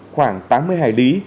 khoảng tám mươi hải lý